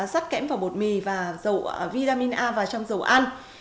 sắt kẽm vào bột mì và vitamin a vào trong dầu ăn